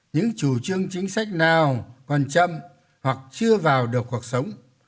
những chủ trương chính sách nào còn chậm hoặc chưa vào được cuộc sống